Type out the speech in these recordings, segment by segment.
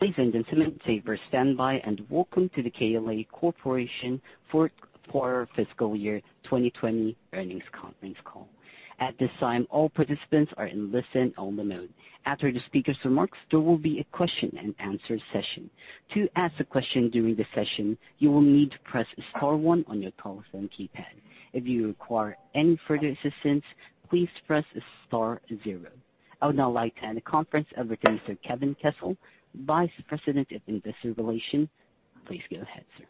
Ladies and gentlemen, please stay on standby and welcome to the KLA Corporation for our fiscal year 2020 earnings conference call. At this time, all participants are in listen-only mode. After the speakers' remarks, there will be a question and answer session. To ask a question during the session, you will need to press star one on your telephone keypad. If you require any further assistance, please press star zero. I would now like to hand the conference over to Mr. Kevin Kessel, Vice President of Investor Relations. Please go ahead, sir.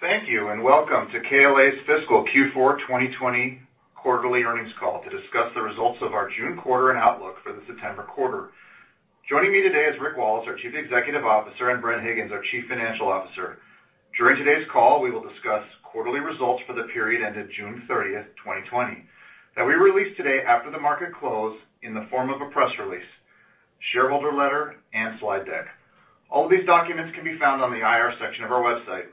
Thank you. Welcome to KLA's fiscal Q4 2020 quarterly earnings call to discuss the results of our June quarter and outlook for the September quarter. Joining me today is Rick Wallace, our Chief Executive Officer, and Bren Higgins, our Chief Financial Officer. During today's call, we will discuss quarterly results for the period ending June 30th, 2020, that we released today after the market close in the form of a press release, shareholder letter, and slide deck. All of these documents can be found on the IR section of our website.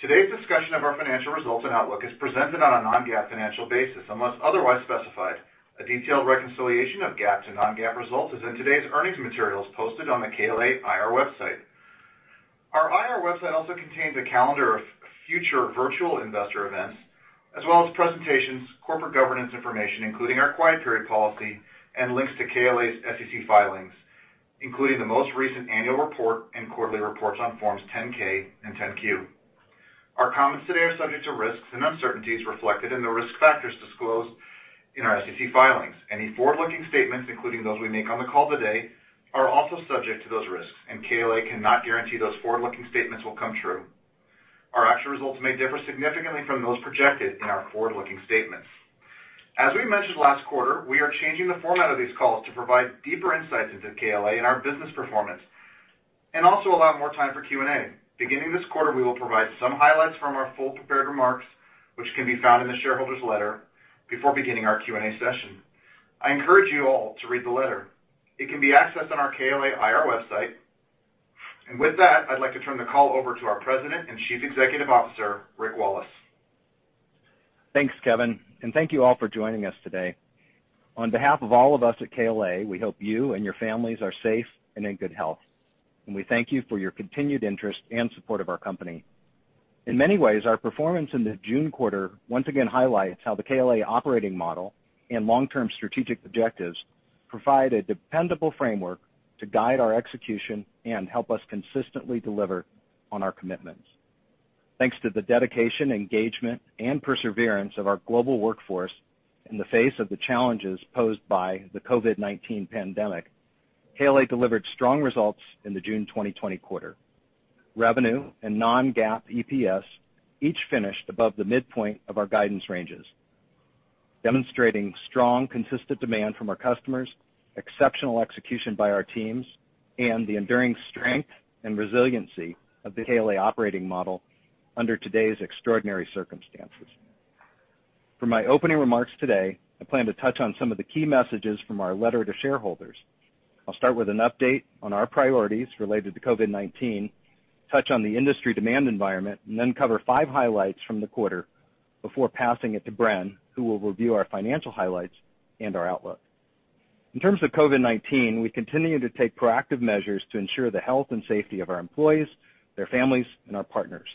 Today's discussion of our financial results and outlook is presented on a non-GAAP financial basis, unless otherwise specified. A detailed reconciliation of GAAP to non-GAAP results is in today's earnings materials posted on the KLA IR website. Our IR website also contains a calendar of future virtual investor events, as well as presentations, corporate governance information, including our quiet period policy, and links to KLA's SEC filings, including the most recent annual report and quarterly reports on Forms 10-K and 10-Q. Our comments today are subject to risks and uncertainties reflected in the risk factors disclosed in our SEC filings. Any forward-looking statements, including those we make on the call today, are also subject to those risks, and KLA cannot guarantee those forward-looking statements will come true. Our actual results may differ significantly from those projected in our forward-looking statements. As we mentioned last quarter, we are changing the format of these calls to provide deeper insights into KLA and our business performance, and also allow more time for Q&A. Beginning this quarter, we will provide some highlights from our full prepared remarks, which can be found in the shareholder's letter before beginning our Q&A session. I encourage you all to read the letter. It can be accessed on our KLA IR website. With that, I'd like to turn the call over to our President and Chief Executive Officer, Rick Wallace. Thanks, Kevin, and thank you all for joining us today. On behalf of all of us at KLA, we hope you and your families are safe and in good health, and we thank you for your continued interest and support of our company. In many ways, our performance in the June quarter once again highlights how the KLA operating model and long-term strategic objectives provide a dependable framework to guide our execution and help us consistently deliver on our commitments. Thanks to the dedication, engagement, and perseverance of our global workforce in the face of the challenges posed by the COVID-19 pandemic, KLA delivered strong results in the June 2020 quarter. Revenue and non-GAAP EPS each finished above the midpoint of our guidance ranges, demonstrating strong, consistent demand from our customers, exceptional execution by our teams, and the enduring strength and resiliency of the KLA operating model under today's extraordinary circumstances. My opening remarks today, I plan to touch on some of the key messages from our letter to shareholders. I'll start with an update on our priorities related to COVID-19, touch on the industry demand environment, and then cover five highlights from the quarter before passing it to Bren, who will review our financial highlights and our outlook. In terms of COVID-19, we continue to take proactive measures to ensure the health and safety of our employees, their families, and our partners.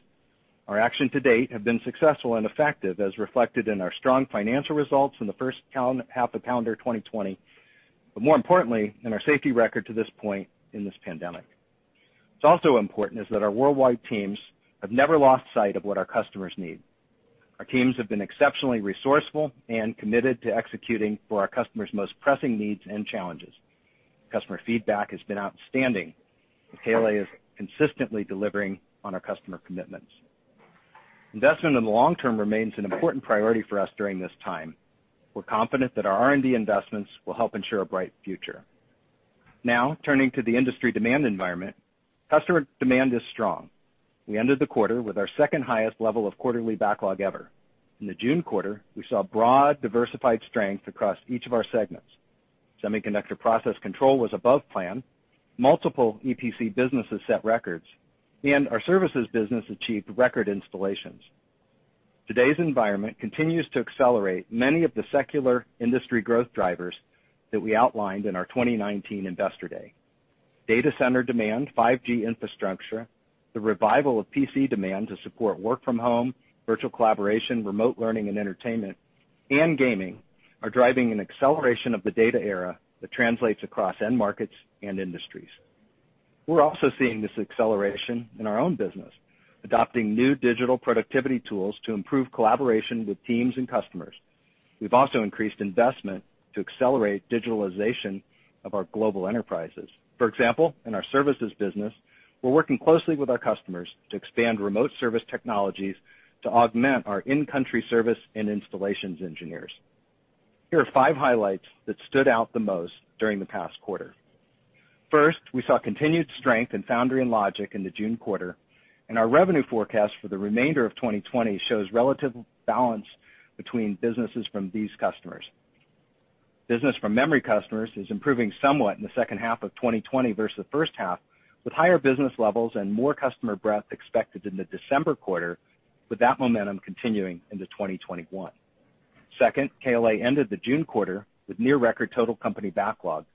Our actions to date have been successful and effective, as reflected in our strong financial results in the first half of calendar 2020, more importantly, in our safety record to this point in this pandemic. What's also important is that our worldwide teams have never lost sight of what our customers need. Our teams have been exceptionally resourceful and committed to executing for our customers' most pressing needs and challenges. Customer feedback has been outstanding, KLA is consistently delivering on our customer commitments. Investment in the long-term remains an important priority for us during this time. We're confident that our R&D investments will help ensure a bright future. Now, turning to the industry demand environment, customer demand is strong. We ended the quarter with our second highest level of quarterly backlog ever. In the June quarter, we saw broad diversified strength across each of our segments. Semiconductor process control was above plan, multiple EPC businesses set records, and our services business achieved record installations. Today's environment continues to accelerate many of the secular industry growth drivers that we outlined in our 2019 investor day. Data center demand, 5G infrastructure, the revival of PC demand to support work from home, virtual collaboration, remote learning and entertainment, and gaming are driving an acceleration of the data era that translates across end markets and industries. We're also seeing this acceleration in our own business, adopting new digital productivity tools to improve collaboration with teams and customers. We've also increased investment to accelerate digitalization of our global enterprises. For example, in our services business, we're working closely with our customers to expand remote service technologies to augment our in-country service and installations engineers. There are five highlights that stood out the most during the past quarter. First, we saw continued strength in foundry and logic in the June quarter, and our revenue forecast for the remainder of 2020 shows relative balance between businesses from these customers. Business from memory customers is improving somewhat in the second half of 2020 versus the first half, with higher business levels and more customer breadth expected in the December quarter with that momentum continuing into 2021. Second, KLA ended the June quarter with near record total company backlog,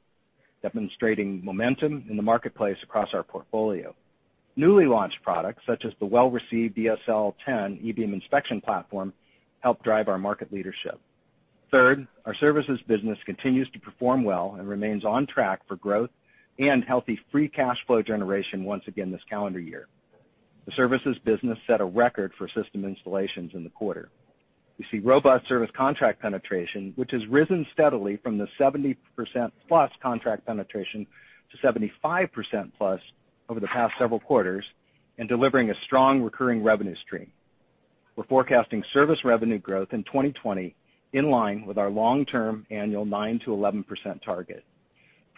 demonstrating momentum in the marketplace across our portfolio. Newly launched products, such as the well-received eSL10 e-beam inspection platform, helped drive our market leadership. Third, our services business continues to perform well and remains on track for growth and healthy free cash flow generation once again this calendar year. The services business set a record for system installations in the quarter. We see robust service contract penetration, which has risen steadily from the 70%+ contract penetration to 75%+ over the past several quarters, and delivering a strong recurring revenue stream. We're forecasting service revenue growth in 2020, in line with our long-term annual 9%-11% target.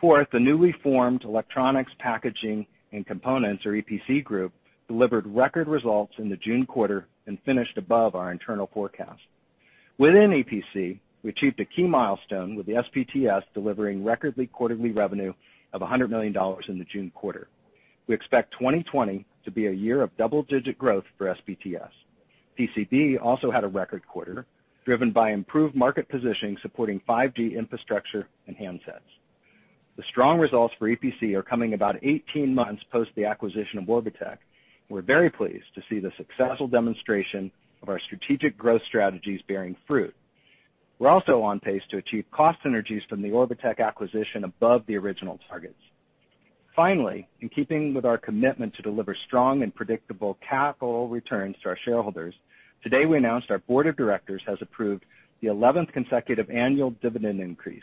Fourth, the newly formed Electronics, Packaging and Components, or EPC group, delivered record results in the June quarter and finished above our internal forecast. Within EPC, we achieved a key milestone with the SPTS delivering record quarterly revenue of $100 million in the June quarter. We expect 2020 to be a year of double-digit growth for SPTS. PCB also had a record quarter, driven by improved market positioning supporting 5G infrastructure, and handsets. The strong results for EPC are coming about 18 months post the acquisition of Orbotech. We're very pleased to see the successful demonstration of our strategic growth strategies bearing fruit. We're also on pace to achieve cost synergies from the Orbotech acquisition above the original targets. Finally, in keeping with our commitment to deliver strong and predictable capital returns to our shareholders, today we announced our board of directors has approved the 11th consecutive annual dividend increase.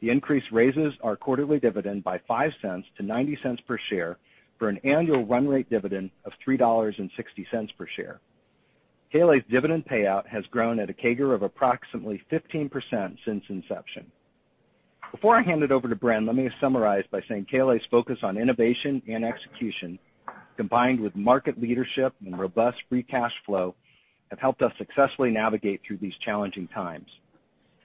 The increase raises our quarterly dividend by $0.05-$0.90 per share for an annual run rate dividend of $3.60 per share. KLA's dividend payout has grown at a CAGR of approximately 15% since inception. Before I hand it over to Bren, let me summarize by saying KLA's focus on innovation and execution, combined with market leadership and robust free cash flow, have helped us successfully navigate through these challenging times.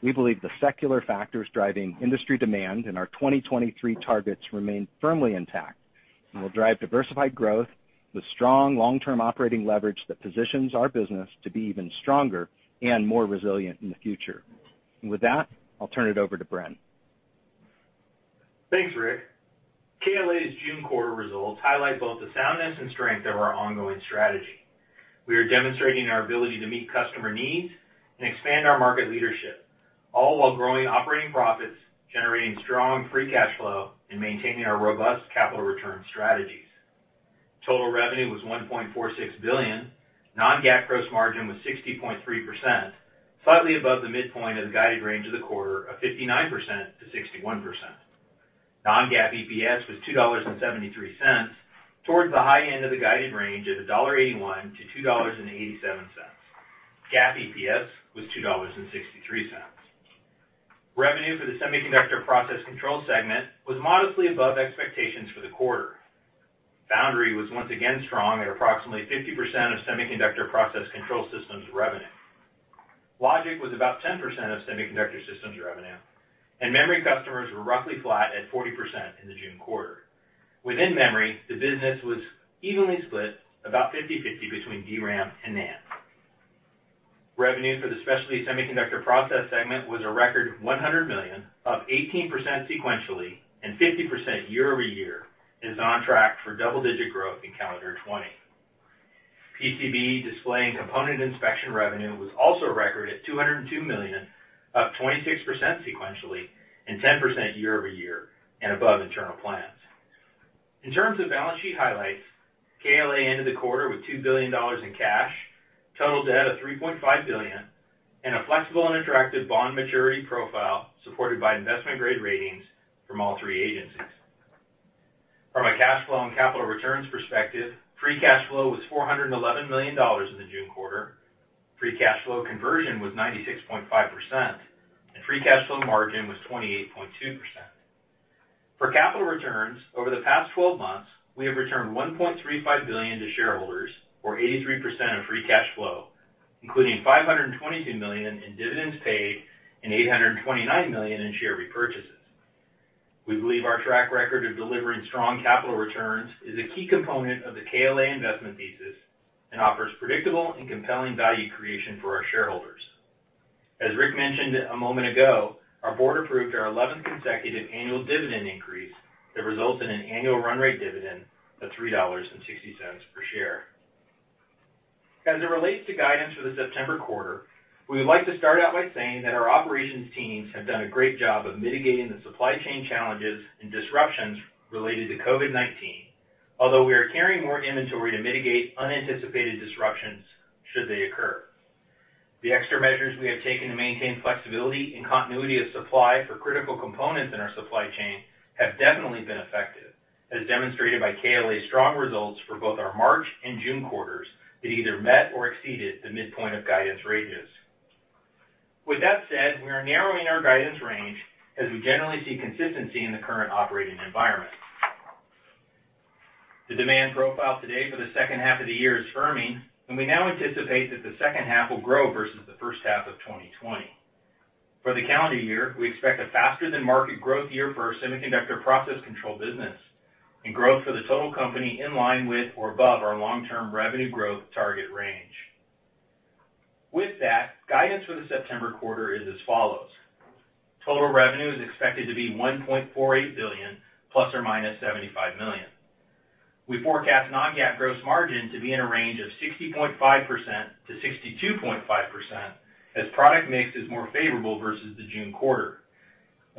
We believe the secular factors driving industry demand and our 2023 targets remain firmly intact and will drive diversified growth with strong long-term operating leverage that positions our business to be even stronger and more resilient in the future. With that, I'll turn it over to Bren. Thanks, Rick. KLA's June quarter results highlight both the soundness and strength of our ongoing strategy. We are demonstrating our ability to meet customer needs and expand our market leadership, all while growing operating profits, generating strong free cash flow, and maintaining our robust capital return strategies. Total revenue was $1.46 billion. Non-GAAP gross margin was 60.3%, slightly above the midpoint of the guided range of the quarter of 59%-61%. Non-GAAP EPS was $2.73, towards the high end of the guided range of $1.81-$2.87. GAAP EPS was $2.63. Revenue for the semiconductor process control segment was modestly above expectations for the quarter. Foundry was once again strong at approximately 50% of semiconductor process control systems revenue. Logic was about 10% of semiconductor systems revenue. Memory customers were roughly flat at 40% in the June quarter. Within memory, the business was evenly split about 50-50 between DRAM and NAND. Revenue for the Specialty Semiconductor Process Segment was a record $100 million, up 18% sequentially and 50% year-over-year, and is on track for double-digit growth in calendar 2020. PCB Display and Component Inspection revenue was also a record at $202 million, up 26% sequentially and 10% year-over-year, and above internal plans. In terms of balance sheet highlights, KLA ended the quarter with $2 billion in cash, total debt of $3.5 billion, and a flexible and attractive bond maturity profile supported by investment-grade ratings from all three agencies. From a cash flow and capital returns perspective, free cash flow was $411 million in the June quarter, free cash flow conversion was 96.5%, and free cash flow margin was 28.2%. For capital returns, over the past 12 months, we have returned $1.35 billion to shareholders, or 83% of free cash flow, including $522 million in dividends paid and $829 million in share repurchases. We believe our track record of delivering strong capital returns is a key component of the KLA investment thesis and offers predictable and compelling value creation for our shareholders. As Rick mentioned a moment ago, our board approved our 11th consecutive annual dividend increase that results in an annual run rate dividend of $3.60 per share. As it relates to guidance for the September quarter, we would like to start out by saying that our operations teams have done a great job of mitigating the supply chain challenges and disruptions related to COVID-19. We are carrying more inventory to mitigate unanticipated disruptions should they occur. The extra measures we have taken to maintain flexibility and continuity of supply for critical components in our supply chain have definitely been effective, as demonstrated by KLA's strong results for both our March and June quarters that either met or exceeded the midpoint of guidance ranges. With that said, we are narrowing our guidance range as we generally see consistency in the current operating environment. The demand profile today for the second half of the year is firming, and we now anticipate that the second half will grow versus the first half of 2020. For the calendar year, we expect a faster-than-market growth year for our semiconductor process control business, and growth for the total company in line with or above our long-term revenue growth target range. With that, guidance for the September quarter is as follows: total revenue is expected to be $1.48 billion, ±$75 million. We forecast non-GAAP gross margin to be in a range of 60.5%-62.5%, as product mix is more favorable versus the June quarter,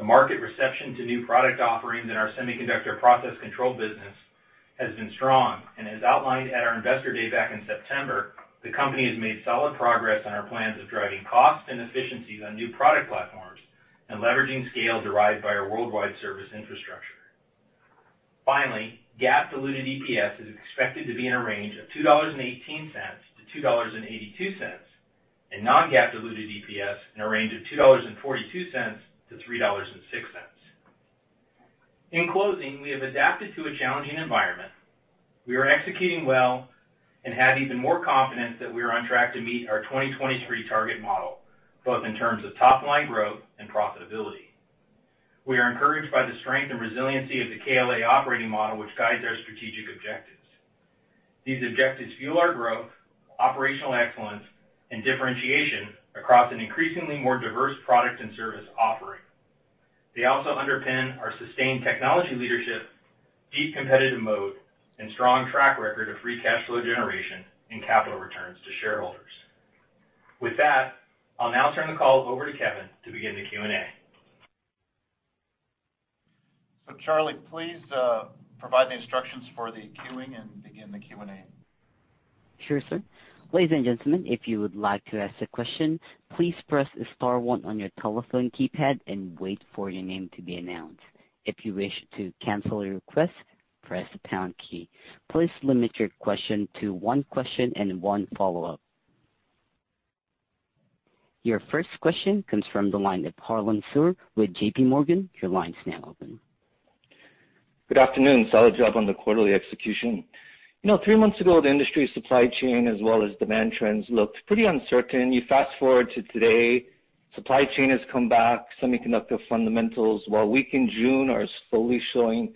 the market reception to new product offerings in our semiconductor process control business has been strong, and as outlined at our Investor Day back in September, the company has made solid progress on our plans of driving costs and efficiencies on new product platforms and leveraging scale derived by our worldwide service infrastructure. Finally, GAAP diluted EPS is expected to be in a range of $2.18-$2.82, and non-GAAP diluted EPS in a range of $2.42-$3.06. In closing, we have adapted to a challenging environment. We are executing well and have even more confidence that we are on track to meet our 2023 target model, both in terms of top-line growth and profitability. We are encouraged by the strength and resiliency of the KLA operating model, which guides our strategic objectives. These objectives fuel our growth, operational excellence, and differentiation across an increasingly more diverse product and service offering. They also underpin our sustained technology leadership, deep competitive mode, and strong track record of free cash flow generation and capital returns to shareholders. With that, I'll now turn the call over to Kevin to begin the Q&A. Charlie, please provide the instructions for the queuing and begin the Q&A. Sure, sir. Ladies and gentlemen, if you would like to ask a question, please press star one on your telephone keypad and wait for your name to be announced. If you wish to cancel a request, press the pound key. Please limit your question to one question and one follow-up. Your first question comes from the line of Harlan Sur with JPMorgan. Your line's now open. Good afternoon. Solid job on the quarterly execution. Three months ago, the industry's supply chain, as well as demand trends, looked pretty uncertain. You fast-forward to today, supply chain has come back, semiconductor fundamentals, while weak in June, are slowly showing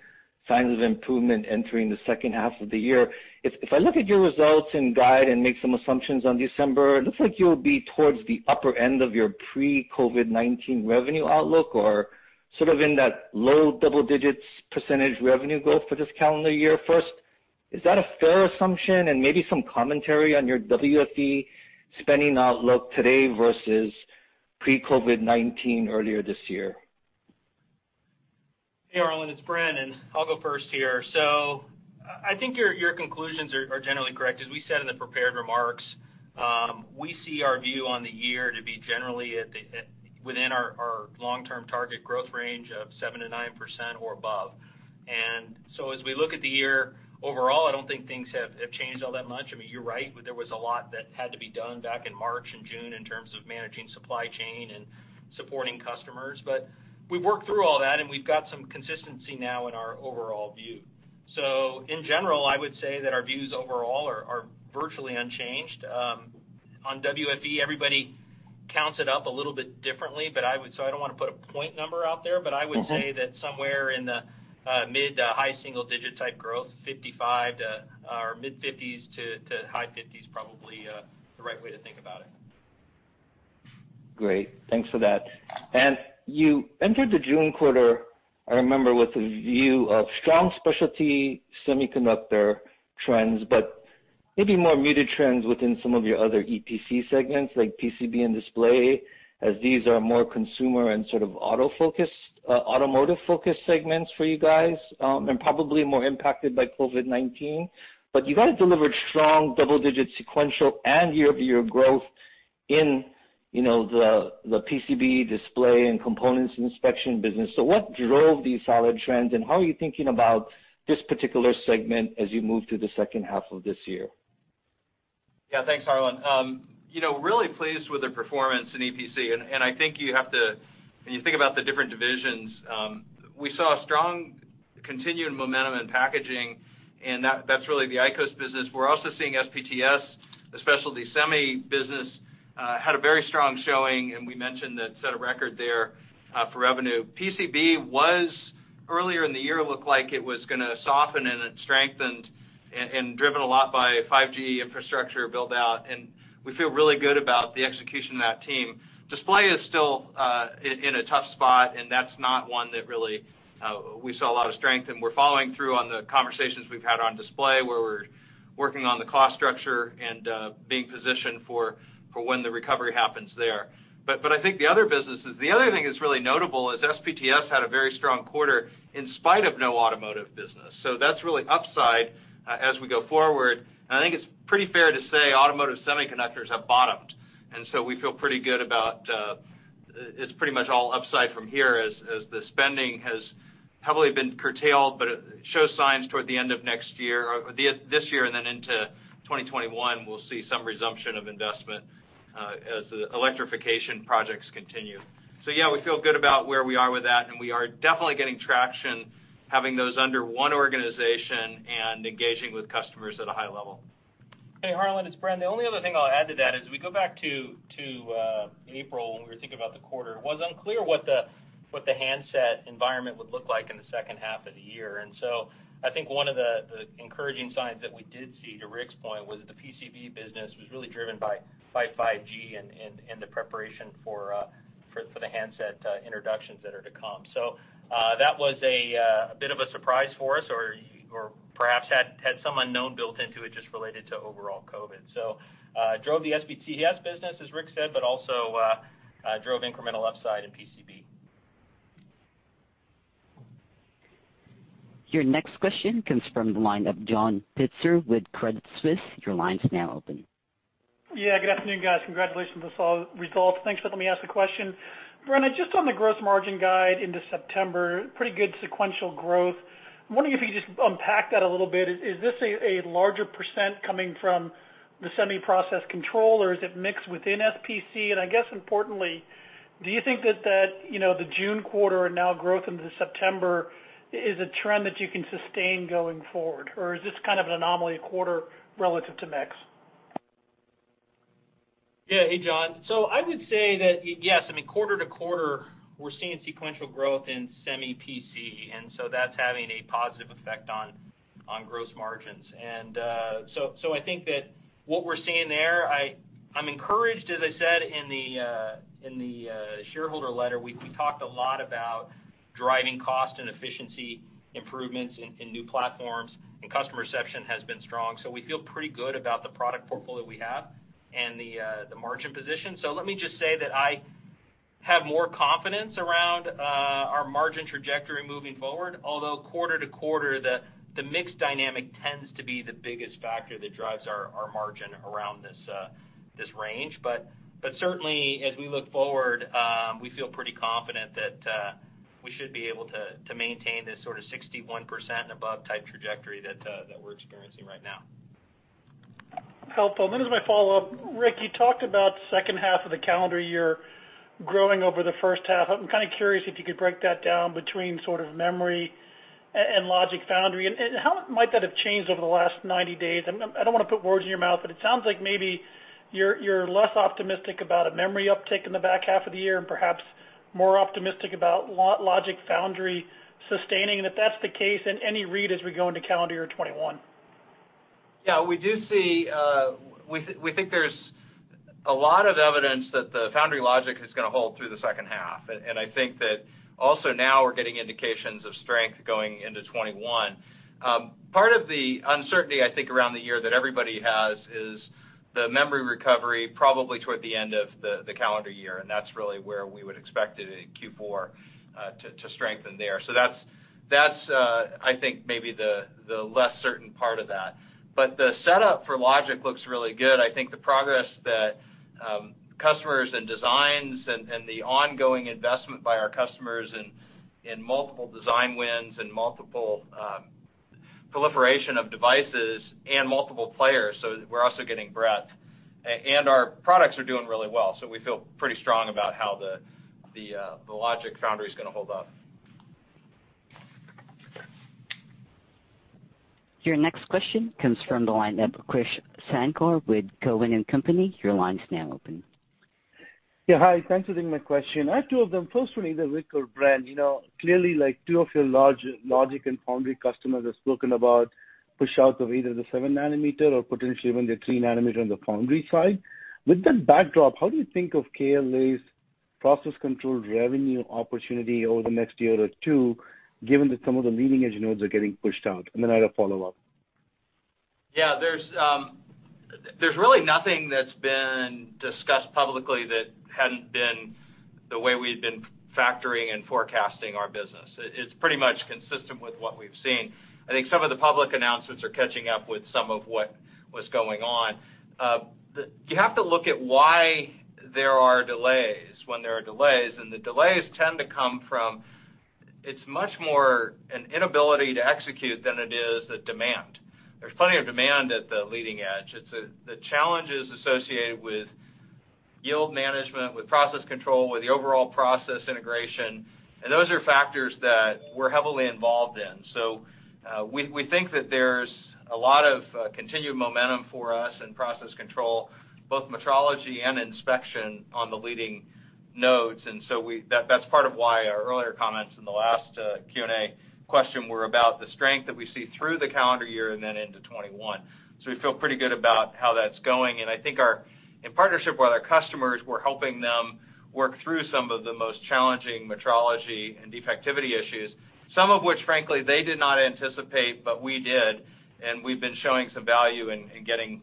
signs of improvement entering the second half of the year. If I look at your results and guide and make some assumptions on December, it looks like you'll be towards the upper end of your pre-COVID-19 revenue outlook or sort of in that low double-digits percentage revenue growth for this calendar year. First, is that a fair assumption? Maybe some commentary on your WFE spending outlook today versus pre-COVID-19 earlier this year. Hey, Harlan, it's Bren, and I'll go first here. I think your conclusions are generally correct. As we said in the prepared remarks, we see our view on the year to be generally within our long-term target growth range of 7%-9% or above. As we look at the year overall, I don't think things have changed all that much. You're right. There was a lot that had to be done back in March and June in terms of managing supply chain and supporting customers. We've worked through all that, and we've got some consistency now in our overall view. In general, I would say that our views overall are virtually unchanged. On WFE, everybody counts it up a little bit differently, so I don't want to put a point number out there, but I would say that somewhere in the mid-to-high single digit type growth, $55, or mid-$50s to high-$50s, probably the right way to think about it. Great. Thanks for that. You entered the June quarter, I remember, with a view of strong specialty semiconductor trends, but maybe more muted trends within some of your other EPC segments like PCB and display, as these are more consumer and sort of automotive-focused segments for you guys, and probably more impacted by COVID-19. You guys delivered strong double-digit sequential and year-over-year growth in the PCB display and components inspection business. What drove these solid trends, and how are you thinking about this particular segment as you move through the second half of this year? Yeah, thanks, Harlan. Really pleased with the performance in EPC, and I think you have to, when you think about the different divisions, we saw strong continued momentum in packaging, and that's really the ICOS business. We're also seeing SPTS, the specialty semi business, had a very strong showing, and we mentioned that set a record there for revenue. PCB was earlier in the year, looked like it was going to soften, and it strengthened and driven a lot by 5G infrastructure build-out, and we feel really good about the execution of that team. Display is still in a tough spot, and that's not one that really we saw a lot of strength in. We're following through on the conversations we've had on display, where we're working on the cost structure and being positioned for when the recovery happens there. I think the other thing that's really notable is SPTS had a very strong quarter in spite of no automotive business. That's really upside as we go forward, and I think it's pretty fair to say automotive semiconductors have bottomed, and so we feel pretty good about, it's pretty much all upside from here as the spending has heavily been curtailed, but it shows signs toward the end of next year or this year, and then into 2021, we'll see some resumption of investment as the electrification projects continue. Yeah, we feel good about where we are with that, and we are definitely getting traction having those under one organization and engaging with customers at a high level. Hey, Harlan, it's Bren. The only other thing I'll add to that is, we go back to April, when we were thinking about the quarter, it was unclear what the handset environment would look like in the second half of the year. I think one of the encouraging signs that we did see, to Rick's point, was that the PCB business was really driven by 5G and the preparation for the handset introductions that are to come. That was a bit of a surprise for us, or perhaps had some unknown built into it just related to overall COVID. It drove the SPTS business, as Rick said, but also drove incremental upside in PCB. Your next question comes from the line of John Pitzer with Credit Suisse. Your line's now open. Good afternoon, guys. Congratulations on those results. Thanks. Let me ask the question. Harlan, just on the gross margin guide into September, pretty good sequential growth. I'm wondering if you could just unpack that a little bit. Is this a larger percent coming from the semiconductor process control, or is it mixed within SPC? I guess importantly, do you think that the June quarter and now growth into September is a trend that you can sustain going forward, or is this kind of an anomaly quarter relative to mix? Yeah. Hey, John. I would say that, yes, quarter-to-quarter, we're seeing sequential growth in semi PC, that's having a positive effect on gross margins. I think that what we're seeing there, I'm encouraged. As I said in the shareholder letter, we talked a lot about driving cost and efficiency improvements in new platforms, and customer reception has been strong. We feel pretty good about the product portfolio we have and the margin position. Let me just say that I have more confidence around our margin trajectory moving forward, although quarter-to-quarter, the mix dynamic tends to be the biggest factor that drives our margin around this range. Certainly, as we look forward, we feel pretty confident that we should be able to maintain this sort of 61%-and-above type trajectory that we're experiencing right now. Helpful. As my follow-up, Rick, you talked about the second half of the calendar year growing over the first half. I'm kind of curious if you could break that down between sort of memory and logic/foundry, and how might that have changed over the last 90 days? I don't want to put words in your mouth, but it sounds like maybe you're less optimistic about a memory uptick in the back half of the year and perhaps more optimistic about logic/foundry sustaining. If that's the case, any read as we go into calendar year 2021? Yeah, we think there's a lot of evidence that the foundry/logic is going to hold through the second half. I think that also now we're getting indications of strength going into 2021. Part of the uncertainty, I think, around the year that everybody has is the memory recovery probably toward the end of the calendar year, and that's really where we would expect it in Q4, to strengthen there. That's, I think, maybe the less certain part of that. The setup for logic looks really good. I think the progress that customers and designs and the ongoing investment by our customers in multiple design wins and multiple proliferation of devices and multiple players, so we're also getting breadth. Our products are doing really well, so we feel pretty strong about how the logic foundry's going to hold up. Your next question comes from the line of Krish Sankar with Cowen and Company. Your line's now open. Yeah, hi. Thanks for taking my question. I have two of them. Firstly, [the reticle brand]. Clearly, two of your logic and foundry customers have spoken about pushouts of either the 7 nm or potentially even the 3 nm on the foundry side. With that backdrop, how do you think of KLA's process control revenue opportunity over the next year or two, given that some of the leading-edge nodes are getting pushed out? I have a follow-up. There's really nothing that's been discussed publicly that hadn't been the way we had been factoring and forecasting our business. It's pretty much consistent with what we've seen. I think some of the public announcements are catching up with some of what was going on. You have to look at why there are delays when there are delays, and the delays tend to come from, it's much more an inability to execute than it is the demand. There's plenty of demand at the leading edge. The challenge is associated with yield management, with process control, with the overall process integration, and those are factors that we're heavily involved in. We think that there's a lot of continued momentum for us in process control, both metrology and inspection on the leading nodes. That's part of why our earlier comments in the last Q&A question were about the strength that we see through the calendar year and then into 2021. We feel pretty good about how that's going, and I think in partnership with our customers, we're helping them work through some of the most challenging metrology and defectivity issues, some of which, frankly, they did not anticipate, but we did, and we've been showing some value in getting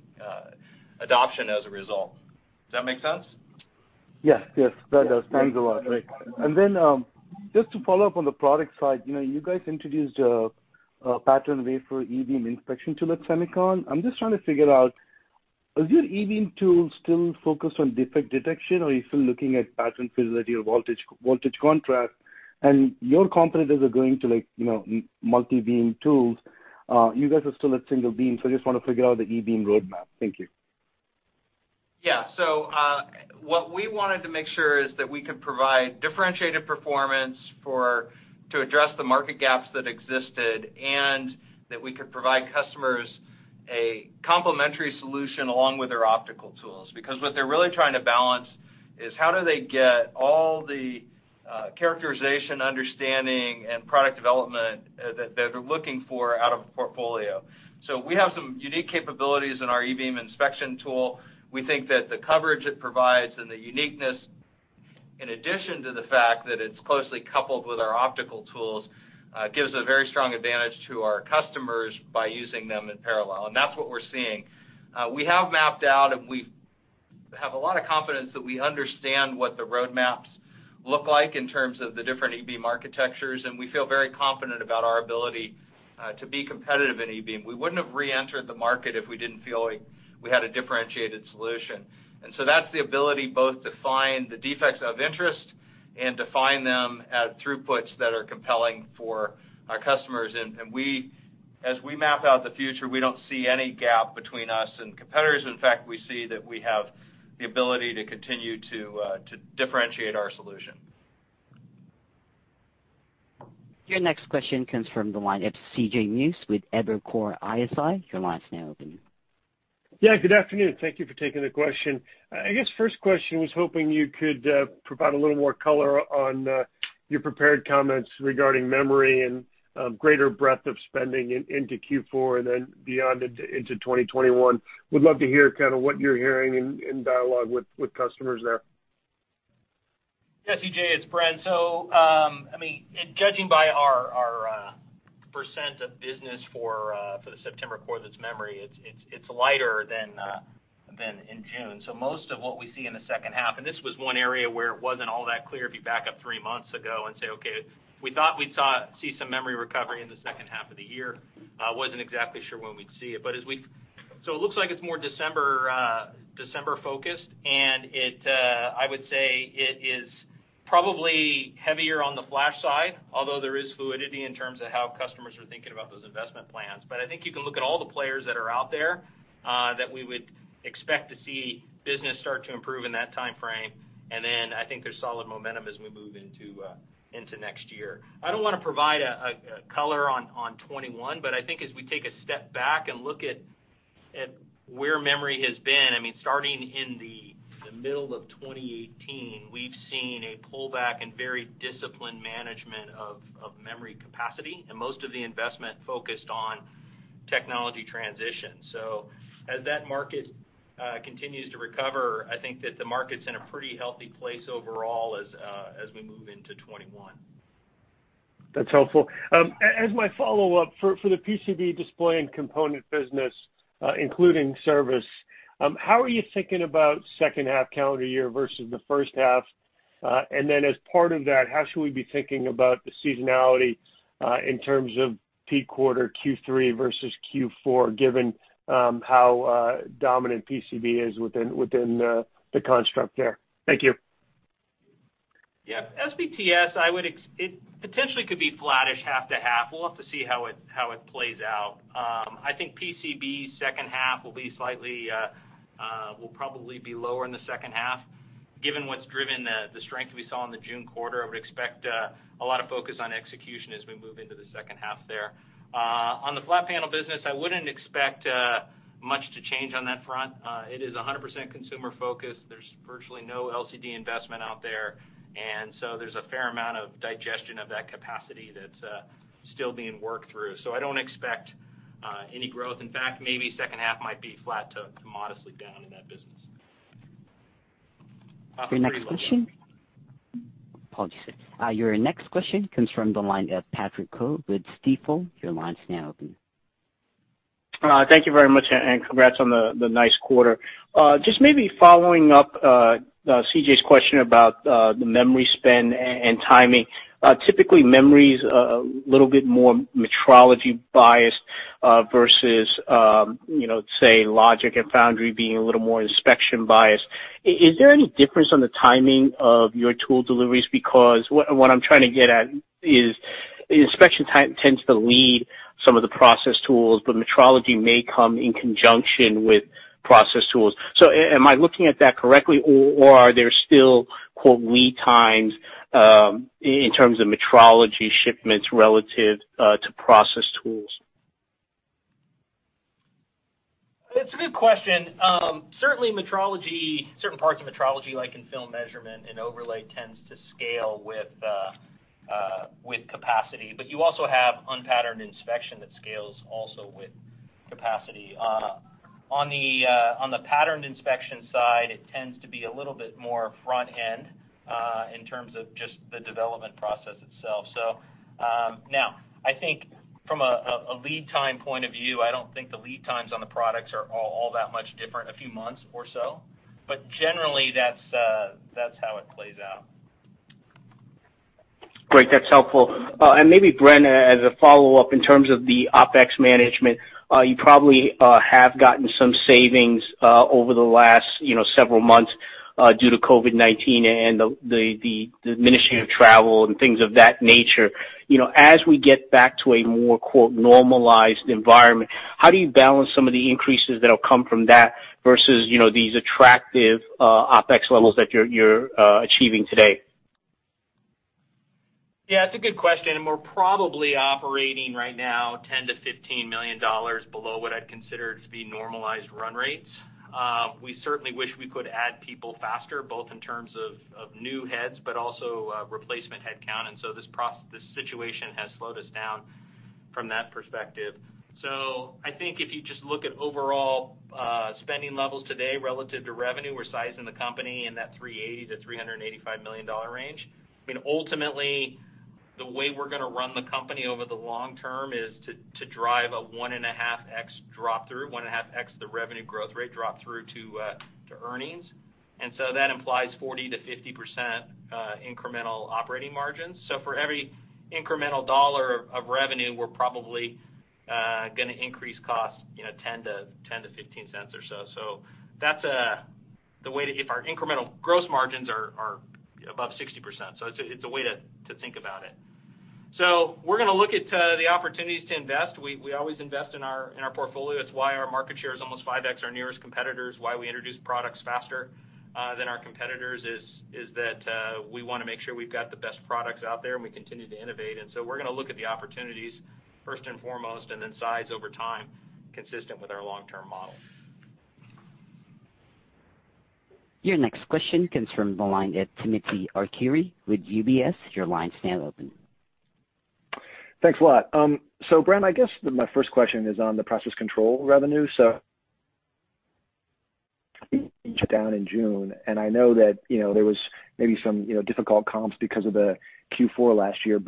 adoption as a result. Does that make sense? Yes. That does. Thanks a lot, Rick. Just to follow up on the product side, you guys introduced a patterned wafer e-beam inspection tool at SEMICON. I'm just trying to figure out, is your e-beam tool still focused on defect detection, or are you still looking at pattern fidelity or voltage contrast? Your competitors are going to multi-beam tools. You guys are still at single beam, so I just want to figure out the e-beam roadmap. Thank you. What we wanted to make sure is that we could provide differentiated performance to address the market gaps that existed, and that we could provide customers a complementary solution along with their optical tools. Because what they're really trying to balance is how do they get all the characterization, understanding, and product development that they're looking for out of a portfolio. We have some unique capabilities in our e-beam inspection tool. We think that the coverage it provides and the uniqueness, in addition to the fact that it's closely coupled with our optical tools, gives a very strong advantage to our customers by using them in parallel. That's what we're seeing. We have mapped out, and we have a lot of confidence that we understand what the roadmaps look like in terms of the different e-beam architectures, and we feel very confident about our ability to be competitive in e-beam. We wouldn't have reentered the market if we didn't feel like we had a differentiated solution. That's the ability both to find the defects of interest and to find them at throughputs that are compelling for our customers. As we map out the future, we don't see any gap between us and competitors. In fact, we see that we have the ability to continue to differentiate our solution. Your next question comes from the line of C.J. Muse with Evercore ISI. Your line's now open. Good afternoon. Thank you for taking the question. I guess first question was hoping you could provide a little more color on your prepared comments regarding memory and greater breadth of spending into Q4 and then beyond into 2021. Would love to hear kind of what you're hearing in dialogue with customers there. C.J., it's Bren. Judging by our percent of business for the September quarter that's memory, it's lighter than in June. Most of what we see in the second half, and this was one area where it wasn't all that clear if you back up three months ago and say, "Okay, we thought we'd see some memory recovery in the second half of the year." Wasn't exactly sure when we'd see it. It looks like it's more December-focused, and I would say it is probably heavier on the flash side, although there is fluidity in terms of how customers are thinking about those investment plans. I think you can look at all the players that are out there, that we would expect to see business start to improve in that timeframe. I think there's solid momentum as we move into next year. I don't want to provide a color on 2021. I think as we take a step back and look at where memory has been, starting in the middle of 2018, we've seen a pullback and very disciplined management of memory capacity, and most of the investment focused on technology transition. As that market continues to recover, I think that the market's in a pretty healthy place overall as we move into 2021. That's helpful. As my follow-up, for the PCB, display, and component business, including service, how are you thinking about second half calendar year versus the first half? As part of that, how should we be thinking about the seasonality, in terms of peak quarter Q3 versus Q4, given how dominant PCB is within the construct there? Thank you. Yeah. SPTS, it potentially could be flattish half to half. We'll have to see how it plays out. I think PCB second half will probably be lower in the second half. Given what's driven the strength we saw in the June quarter, I would expect a lot of focus on execution as we move into the second half there. On the flat panel business, I wouldn't expect much to change on that front. It is 100% consumer-focused. There's virtually no LCD investment out there. There's a fair amount of digestion of that capacity that's still being worked through. I don't expect any growth. In fact, maybe second half might be flat to modestly down in that business. Your next question. Apologies. Your next question comes from the line of Patrick Ho with Stifel. Your line's now open. Thank you very much. Congrats on the nice quarter. Just maybe following up C.J.'s question about the memory spend and timing. Typically, memory's a little bit more metrology-biased, versus, say logic and foundry being a little more inspection-biased. Is there any difference on the timing of your tool deliveries? What I'm trying to get at is, inspection tends to lead some of the process tools, but metrology may come in conjunction with process tools. Am I looking at that correctly, or are there still, quote, "lead times" in terms of metrology shipments relative to process tools? It's a good question. Certainly parts of metrology, like in film measurement and overlay, tends to scale with capacity. You also have unpatterned inspection that scales also with capacity. On the patterned inspection side, it tends to be a little bit more front-end, in terms of just the development process itself. I think from a lead time point of view, I don't think the lead times on the products are all that much different, a few months or so. Generally, that's how it plays out. Great. That's helpful. Maybe Bren, as a follow-up, in terms of the OpEx management, you probably have gotten some savings over the last several months, due to COVID-19 and the diminishing of travel and things of that nature. As we get back to a more, quote, "normalized environment," how do you balance some of the increases that'll come from that versus these attractive OpEx levels that you're achieving today? Yeah, it's a good question. We're probably operating right now $10 million-$15 million below what I'd consider to be normalized run rates. We certainly wish we could add people faster, both in terms of new heads, but also replacement headcount. This situation has slowed us down from that perspective. I think if you just look at overall spending levels today relative to revenue, we're sizing the company in that $380 million-$385 million range. Ultimately, the way we're going to run the company over the long term is to drive a 1.5x drop through, 1.5x the revenue growth rate drop through to earnings. That implies 40%-50% incremental operating margins. For every incremental dollar of revenue, we're probably going to increase costs, $0.10-$0.15 or so. Our incremental gross margins are above 60%, so it's a way to think about it. We're going to look at the opportunities to invest. We always invest in our portfolio. That's why our market share is almost 5x our nearest competitors, why we introduce products faster than our competitors is that we want to make sure we've got the best products out there, and we continue to innovate. We're going to look at the opportunities first and foremost, and then size over time, consistent with our long-term model. Your next question comes from the line at Timothy Arcuri with UBS. Your line's now open. Thanks a lot. Bren, I guess my first question is on the process control revenue. Down in June, and I know that there was maybe some difficult comps because of the Q4 last year.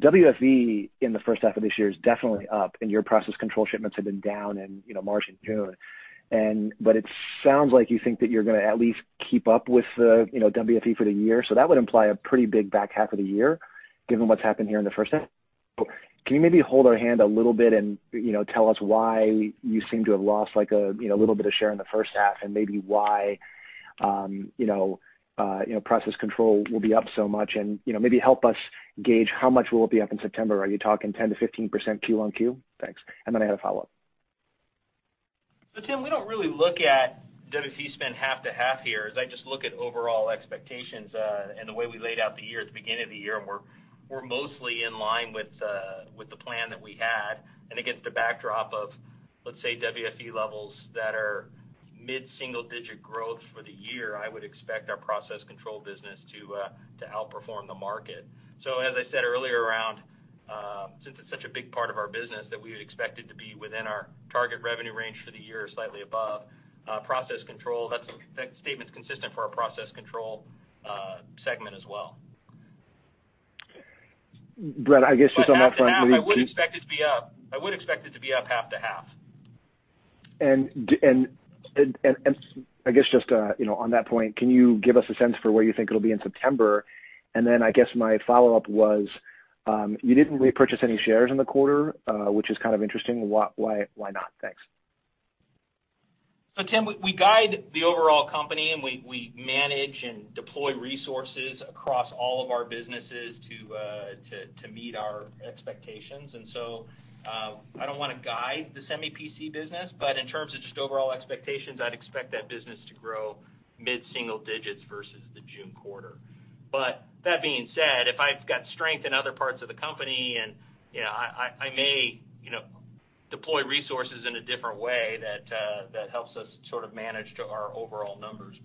WFE in the first half of this year is definitely up, and your process control shipments have been down in March and June. It sounds like you think that you're going to at least keep up with WFE for the year, so that would imply a pretty big back half of the year, given what's happened here in the first half. Can you maybe hold our hand a little bit and tell us why you seem to have lost a little bit of share in the first half and maybe why process control will be up so much, and maybe help us gauge how much will it be up in September? Are you talking 10%-15% Q on Q? Thanks. Then I have a follow-up. Tim, we don't really look at WFE spend half to half here, as I just look at overall expectations, and the way we laid out the year at the beginning of the year, and we're mostly in line with the plan that we had. Against a backdrop of, let's say, WFE levels that are mid-single-digit growth for the year, I would expect our process control business to outperform the market. As I said earlier around, since it's such a big part of our business that we would expect it to be within our target revenue range for the year or slightly above. That statement's consistent for our process control segment as well. Bren, I guess just on that front, maybe. I would expect it to be up. I would expect it to be up half to half. I guess just on that point, can you give us a sense for where you think it'll be in September? I guess my follow-up was, you didn't repurchase any shares in the quarter, which is kind of interesting. Why not? Thanks. Tim, we guide the overall company, and we manage and deploy resources across all of our businesses to meet our expectations. I don't want to guide the semi PC business, but in terms of just overall expectations, I'd expect that business to grow mid-single-digits versus the June quarter. That being said, if I've got strength in other parts of the company, I may deploy resources in a different way that helps us sort of manage to our overall numbers.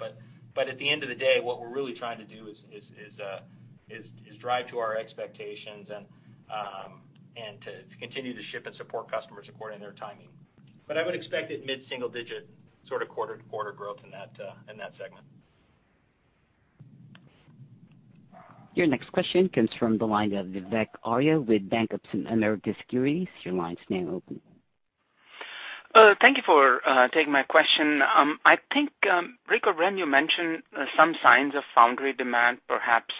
At the end of the day, what we're really trying to do is drive to our expectations and to continue to ship and support customers according to their timing. I would expect it mid-single-digit sort of quarter-to-quarter growth in that segment. Your next question comes from the line of Vivek Arya with BofA Securities. Your line's now open. Thank you for taking my question. I think, Rick or Bren, you mentioned some signs of foundry demand perhaps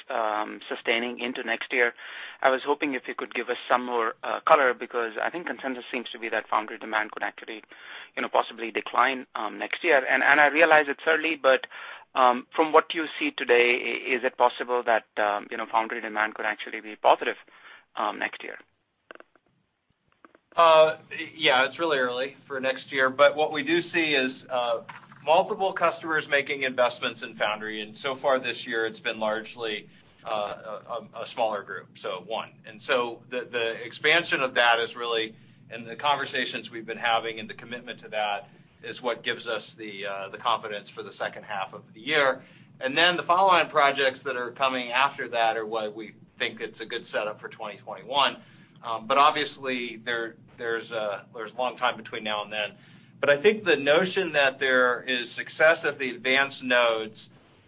sustaining into next year. I was hoping if you could give us some more color, because I think consensus seems to be that foundry demand could actually possibly decline next year. I realize it's early, but from what you see today, is it possible that foundry demand could actually be positive next year? Yeah, it's really early for next year. What we do see is multiple customers making investments in foundry, so far this year, it's been largely a smaller group, so one. The expansion of that is really, the conversations we've been having and the commitment to that is what gives us the confidence for the second half of the year. The follow-on projects that are coming after that are what we think it's a good setup for 2021. Obviously, there's a long time between now and then. I think the notion that there is success at the advanced nodes,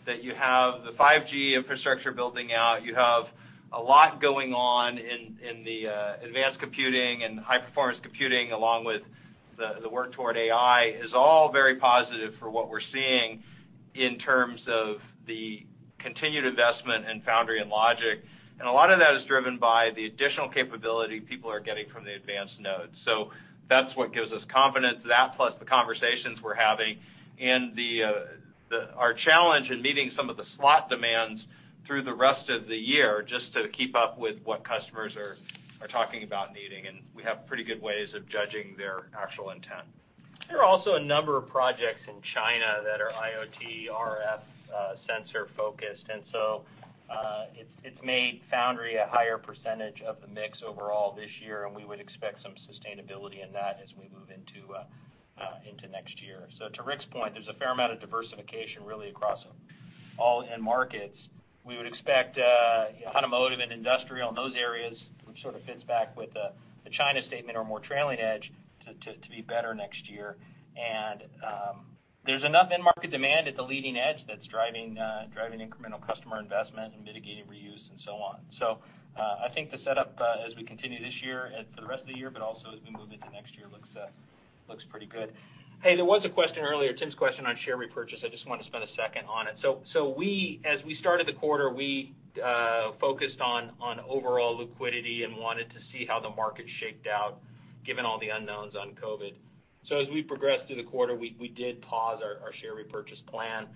that you have the 5G infrastructure building out, you have a lot going on in the advanced computing and high-performance computing, along with the work toward AI, is all very positive for what we're seeing in terms of the continued investment in foundry and logic. A lot of that is driven by the additional capability people are getting from the advanced nodes. That's what gives us confidence. That plus the conversations we're having, and our challenge in meeting some of the slot demands through the rest of the year just to keep up with what customers are talking about needing, and we have pretty good ways of judging their actual intent. There are also a number of projects in China that are IoT RF sensor-focused. It's made foundry a higher percentage of the mix overall this year, and we would expect some sustainability in that as we move into next year. To Rick's point, there's a fair amount of diversification really across all end markets. We would expect automotive and industrial and those areas, which sort of fits back with the China statement or more trailing edge, to be better next year. There's enough end market-demand at the leading edge that's driving incremental customer investment and mitigating reuse and so on. I think the setup as we continue this year and for the rest of the year, but also as we move into next year, looks pretty good. Hey, there was a question earlier, Tim's question on share repurchase. I just want to spend a second on it. As we started the quarter, we focused on overall liquidity and wanted to see how the market shaped out given all the unknowns on COVID. As we progressed through the quarter, we did pause our share repurchase plan.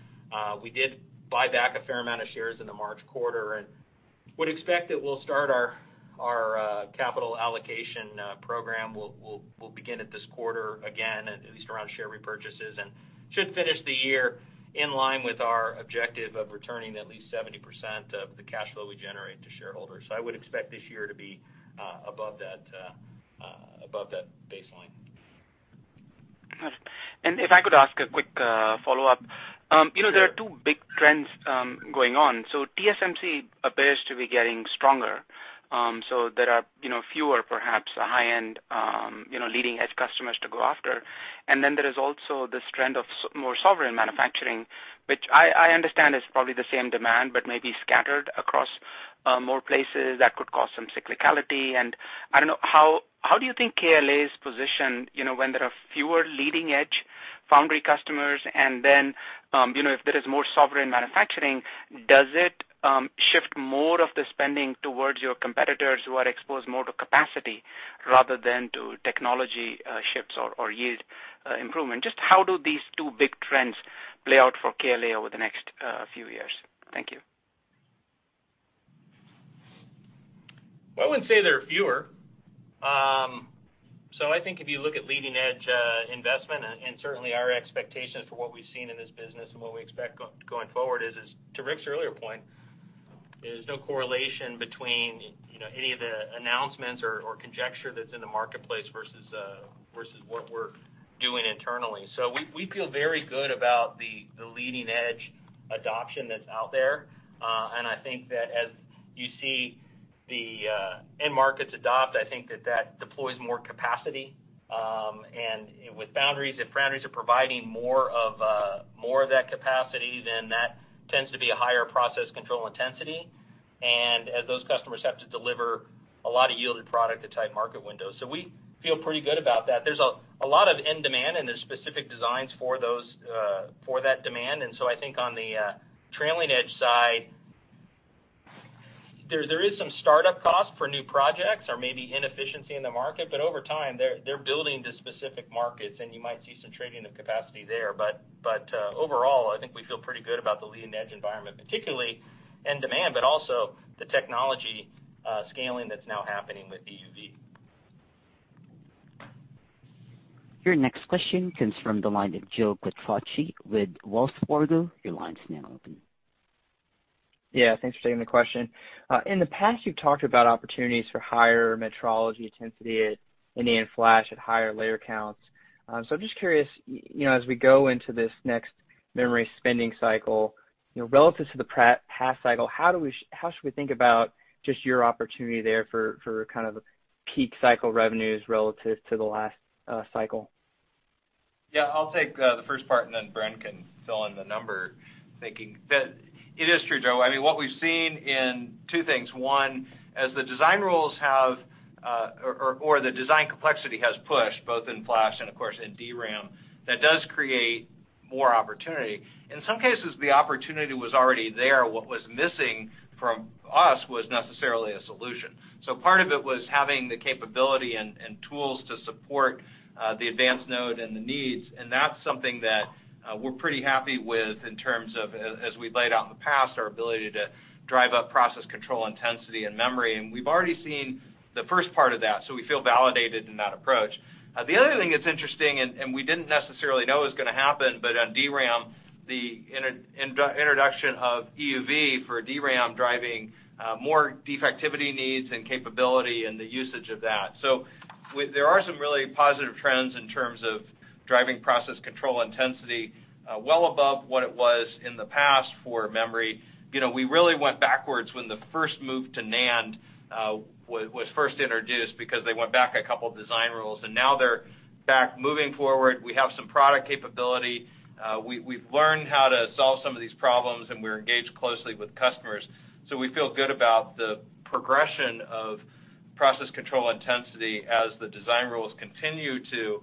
We did buy back a fair amount of shares in the March quarter and would expect that we'll start our capital allocation program, we'll begin it this quarter again, at least around share repurchases, and should finish the year in line with our objective of returning at least 70% of the cash flow we generate to shareholders. I would expect this year to be above that baseline. Got it. If I could ask a quick follow-up. Sure. There are two big trends going on. TSMC appears to be getting stronger, so there are fewer, perhaps high-end leading-edge customers to go after. There is also this trend of more sovereign manufacturing, which I understand is probably the same demand, but maybe scattered across more places that could cause some cyclicality. I don't know, how do you think KLA is positioned when there are fewer leading-edge foundry customers and then, if there is more sovereign manufacturing, does it shift more of the spending towards your competitors who are exposed more to capacity rather than to technology shifts or yield improvement? Just how do these two big trends play out for KLA over the next few years? Thank you. I wouldn't say there are fewer. I think if you look at leading-edge investment, and certainly our expectations for what we've seen in this business and what we expect going forward is, to Rick's earlier point, there's no correlation between any of the announcements or conjecture that's in the marketplace versus what we're doing internally. We feel very good about the leading-edge adoption that's out there. I think that as you see the end markets adopt, I think that that deploys more capacity. With foundries, if foundries are providing more of that capacity, then that tends to be a higher process control intensity, and as those customers have to deliver a lot of yielded product to tight market windows. We feel pretty good about that. There's a lot of end demand, and there's specific designs for that demand. I think on the trailing edge side, there is some startup cost for new projects or maybe inefficiency in the market, but over time, they're building to specific markets, and you might see some trading of capacity there. Overall, I think we feel pretty good about the leading edge environment, particularly end demand, but also the technology scaling that's now happening with EUV. Your next question comes from the line of Joe Quatrochi with Wells Fargo. Your line's now open. Yeah, thanks for taking the question. In the past, you've talked about opportunities for higher metrology intensity at NAND flash at higher layer counts. I'm just curious, as we go into this next memory spending cycle, relative to the past cycle, how should we think about just your opportunity there for kind of peak cycle revenues relative to the last cycle? Yeah, I'll take the first part. Then Bren can fill in the number thinking. It is true, Joe, I mean, what we've seen in two things. One, as the design rules have, or the design complexity has pushed, both in flash and of course in DRAM, that does create more opportunity. In some cases, the opportunity was already there. What was missing from us was necessarily a solution. Part of it was having the capability and tools to support the advanced node and the needs, and that's something that we're pretty happy with in terms of, as we've laid out in the past, our ability to drive up process control intensity and memory. We've already seen the first part of that, so we feel validated in that approach. The other thing that's interesting, and we didn't necessarily know it was going to happen, but on DRAM, the introduction of EUV for DRAM driving more defectivity needs and capability and the usage of that. There are some really positive trends in terms of driving process control intensity, well above what it was in the past for memory. We really went backwards when the first move to NAND was first introduced because they went back a couple of design rules, and now they're back moving forward. We have some product capability. We've learned how to solve some of these problems, and we're engaged closely with customers. We feel good about the progression of process control intensity as the design rules continue to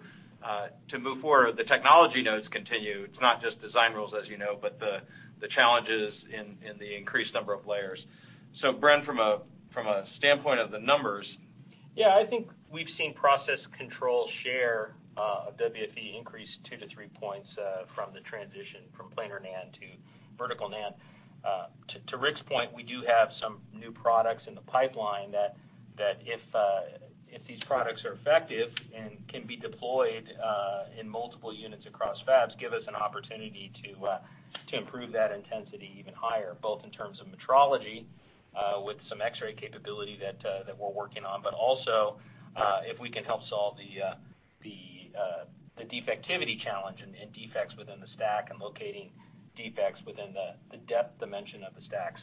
move forward, the technology nodes continue. It's not just design rules, as you know, but the challenges in the increased number of layers. Bren, from a standpoint of the numbers? I think we've seen process control share of WFE increase two to three points from the transition from planar NAND to vertical NAND. To Rick's point, we do have some new products in the pipeline that if these products are effective and can be deployed in multiple units across fabs, give us an opportunity to improve that intensity even higher, both in terms of metrology, with some X-ray capability that we're working on, but also, if we can help solve the defectivity challenge and defects within the stack and locating defects within the depth dimension of the stack.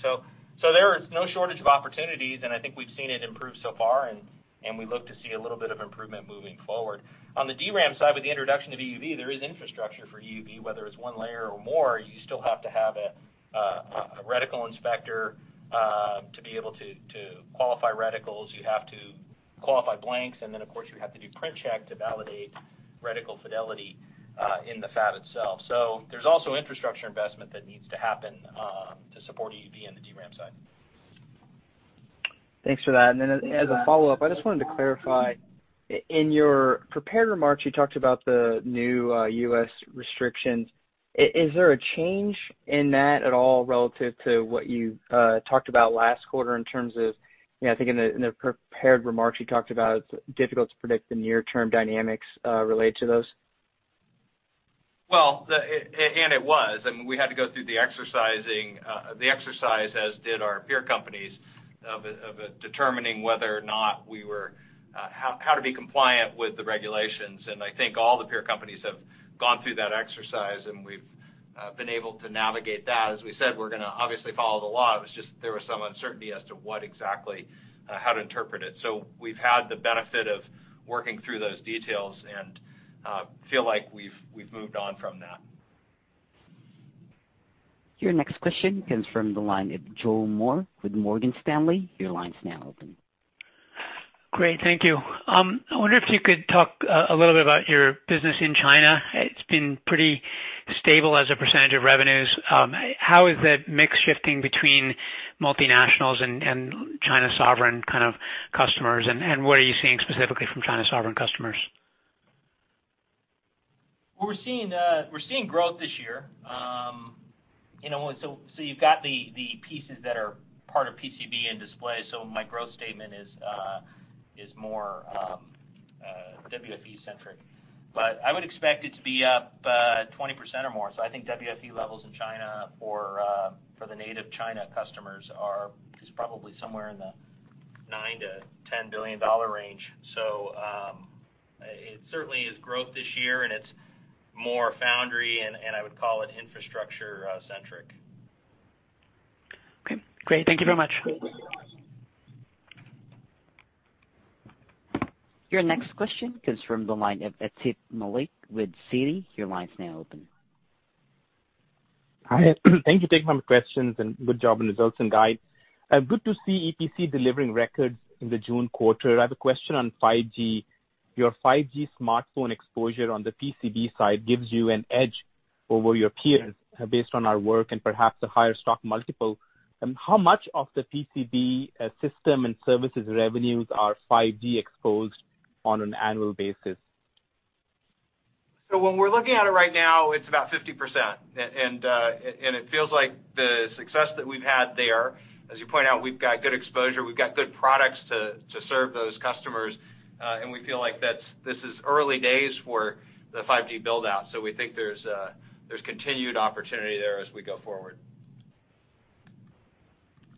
There is no shortage of opportunities, and I think we've seen it improve so far, and we look to see a little bit of improvement moving forward. On the DRAM side, with the introduction of EUV, there is infrastructure for EUV, whether it's one layer or more, you still have to have a reticle inspector, to be able to qualify reticles, you have to qualify blanks, and then, of course, you have to do print check to validate reticle fidelity, in the fab itself. There's also infrastructure investment that needs to happen, to support EUV on the DRAM side. Thanks for that. As a follow-up, I just wanted to clarify, in your prepared remarks, you talked about the new, U.S. restrictions. Is there a change in that at all relative to what you talked about last quarter in terms of, I think in the prepared remarks, you talked about it's difficult to predict the near-term dynamics, related to those. Well, it was. I mean, we had to go through the exercise, as did our peer companies, of determining whether or not how to be compliant with the regulations, and I think all the peer companies have gone through that exercise, and we've been able to navigate that. As we said, we're going to obviously follow the law. It was just there was some uncertainty as to what exactly, how to interpret it. We've had the benefit of working through those details and feel like we've moved on from that. Your next question comes from the line of Joe Moore with Morgan Stanley. Your line's now open. Great. Thank you. I wonder if you could talk a little bit about your business in China. It's been pretty stable as a percentage of revenues. How is the mix shifting between multinationals and China sovereign kind of customers, and what are you seeing specifically from China sovereign customers? We're seeing growth this year. You've got the pieces that are part of PCB and display. My growth statement is more WFE-centric. I would expect it to be up 20% or more. I think WFE levels in China for the native China customers is probably somewhere in the $9 billion-$10 billion range. It certainly is growth this year, and it's more foundry, and I would call it infrastructure-centric. Okay, great. Thank you very much. Your next question comes from the line of Atif Malik with Citi. Your line's now open. Hi. Thank you for taking my questions, and good job on results and guide. Good to see EPC delivering records in the June quarter. I have a question on 5G. Your 5G smartphone exposure on the PCB side gives you an edge over your peers based on our work and perhaps a higher stock multiple. How much of the PCB system and services revenues are 5G exposed on an annual basis? When we're looking at it right now, it's about 50%. It feels like the success that we've had there, as you point out, we've got good exposure, we've got good products to serve those customers, and we feel like this is early days for the 5G build-out. We think there's continued opportunity there as we go forward.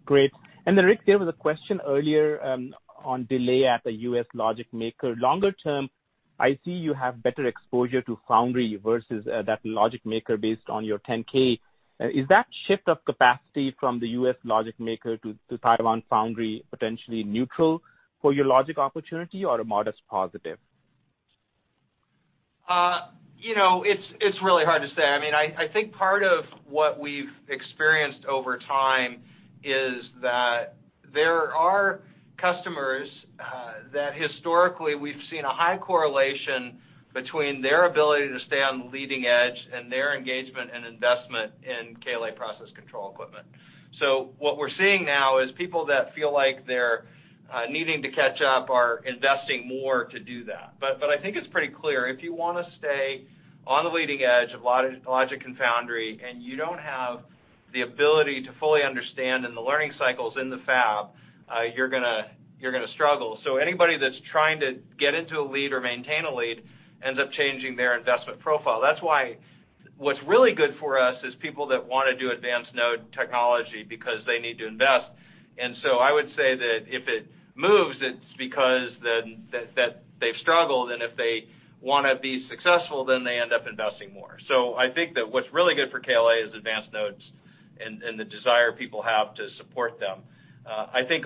Great. Rick, there was a question earlier, on delay at the U.S. logic maker. Longer term, I see you have better exposure to foundry versus that logic maker based on your Form 10-K. Is that shift of capacity from the U.S. logic maker to Taiwanese foundry potentially neutral for your logic opportunity or a modest positive? It's really hard to say. I think part of what we've experienced over time is that there are customers that historically we've seen a high correlation between their ability to stay on the leading edge and their engagement and investment in KLA process control equipment. What we're seeing now is people that feel like they're needing to catch up are investing more to do that. I think it's pretty clear, if you want to stay on the leading edge of logic and foundry, and you don't have the ability to fully understand in the learning cycles in the fab, you're going to struggle. Anybody that's trying to get into a lead or maintain a lead ends up changing their investment profile. That's why what's really good for us is people that want to do advanced node technology because they need to invest. I would say that if it moves, it's because that they've struggled, and if they want to be successful, they end up investing more. I think that what's really good for KLA is advanced nodes and the desire people have to support them. I think,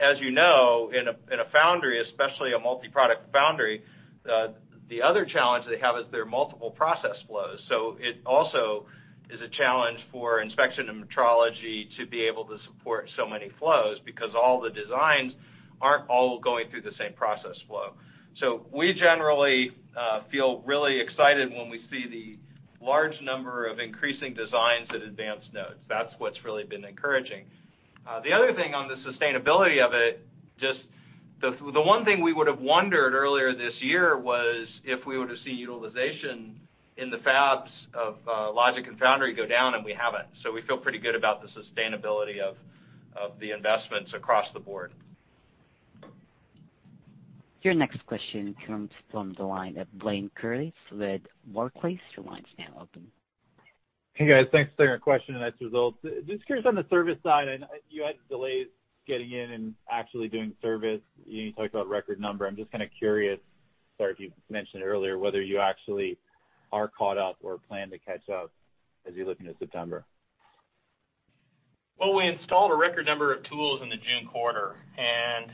as you know, in a foundry, especially a multi-product foundry, the other challenge they have is their multiple process flows. It also is a challenge for inspection and metrology to be able to support so many flows because all the designs aren't all going through the same process flow. We generally feel really excited when we see the large number of increasing designs at advanced nodes. That's what's really been encouraging. The other thing on the sustainability of it, just the one thing we would have wondered earlier this year was if we were to see utilization in the fabs of logic and foundry go down, and we haven't. We feel pretty good about the sustainability of the investments across the board. Your next question comes from the line of Blayne Curtis with Barclays. Your line's now open. Hey, guys. Thanks for taking my question, nice results. Just curious on the service side, and you had delays getting in and actually doing service. You talked about record number. I'm just kind of curious, sorry if you mentioned it earlier, whether you actually are caught up or plan to catch up as you look into September. Well, we installed a record number of tools in the June quarter, and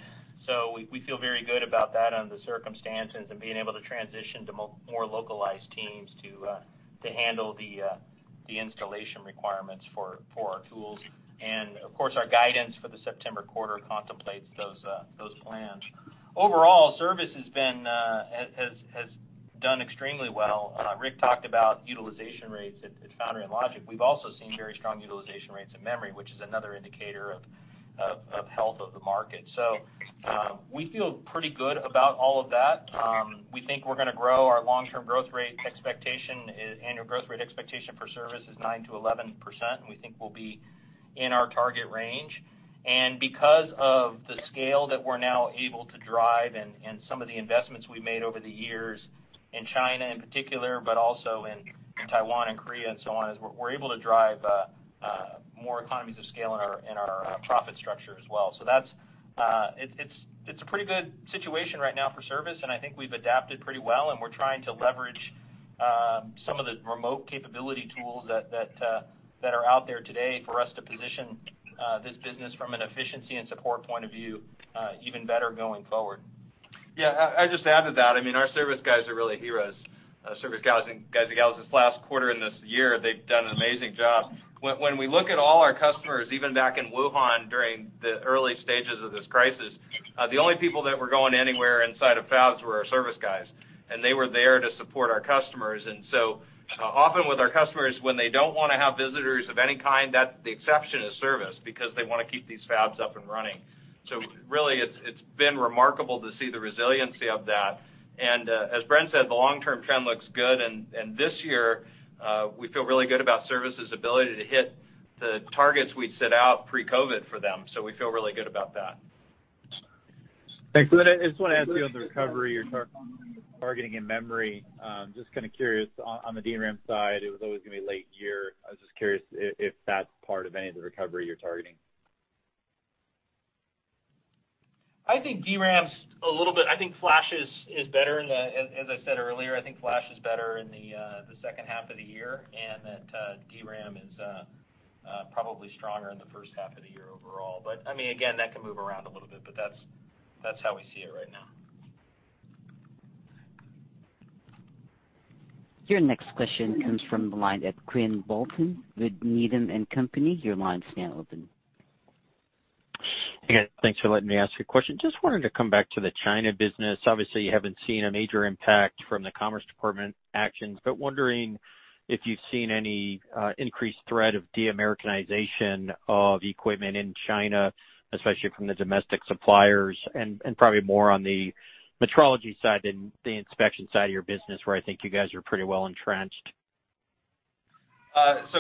so we feel very good about that under the circumstances and being able to transition to more localized teams to handle the installation requirements for our tools. Of course, our guidance for the September quarter contemplates those plans. Overall, service has done extremely well. Rick talked about utilization rates at foundry and logic. We've also seen very strong utilization rates in memory, which is another indicator of health of the market. We feel pretty good about all of that. We think we're going to grow. Our long-term growth rate expectation, annual growth rate expectation for service is 9%-11%, and we think we'll be in our target range. Because of the scale that we're now able to drive and some of the investments we've made over the years, in China in particular, but also in Taiwan and Korea and so on, is we're able to drive more economies of scale in our profit structure as well. It's a pretty good situation right now for service, and I think we've adapted pretty well, and we're trying to leverage some of the remote capability tools that are out there today for us to position this business from an efficiency and support point of view, even better going forward. Yeah. I just add to that, our service guys are really heroes, service guys and gals. This last quarter and this year, they've done an amazing job. When we look at all our customers, even back in Wuhan during the early stages of this crisis, the only people that were going anywhere inside of fabs were our service guys, and they were there to support our customers. Often with our customers, when they don't want to have visitors of any kind, the exception is service because they want to keep these fabs up and running. Really, it's been remarkable to see the resiliency of that. As Bren said, the long-term trend looks good, and this year, we feel really good about service's ability to hit the targets we'd set out pre-COVID for them. We feel really good about that. Thanks. I just want to ask you on the recovery you're targeting in memory. Just kind of curious, on the DRAM side, it was always going to be late year. I was just curious if that's part of any of the recovery you're targeting. I think flash is better. As I said earlier, I think flash is better in the second half of the year, and that DRAM is probably stronger in the first half of the year overall. Again, that can move around a little bit, but that's how we see it right now. Your next question comes from the line of Quinn Bolton with Needham & Company. Your line's now open. Hey, guys. Thanks for letting me ask a question. Wanted to come back to the China business. Obviously, you haven't seen a major impact from the Commerce Department actions. Wondering if you've seen any increased threat of de-Americanization of equipment in China, especially from the domestic suppliers, and probably more on the metrology side than the inspection side of your business, where I think you guys are pretty well entrenched.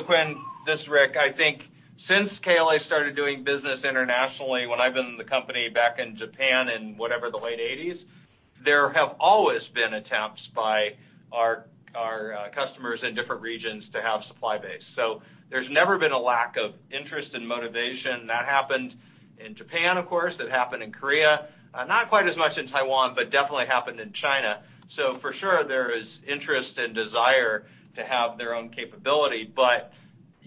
Quinn, this is Rick. I think since KLA started doing business internationally, when I've been in the company back in Japan in, whatever, the late 1980s, there have always been attempts by our customers in different regions to have supply base. There's never been a lack of interest and motivation. That happened in Japan, of course. It happened in Korea, not quite as much in Taiwan, but definitely happened in China. For sure, there is interest and desire to have their own capability.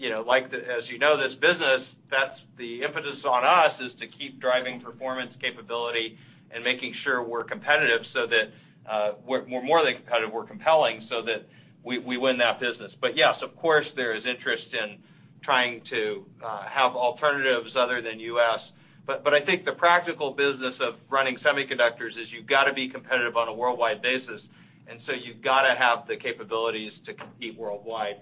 As you know, this business, the impetus on us is to keep driving performance capability and making sure we're competitive, we're more than competitive, we're compelling so that we win that business. Yes, of course, there is interest in trying to have alternatives other than U.S. I think the practical business of running semiconductors is you've got to be competitive on a worldwide basis, and so you've got to have the capabilities to compete worldwide.